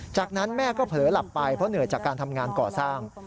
จากนั้นแม่ก็เผลอหลับไปเพราะเหนื่อยจากการทำงานก่อสร้าง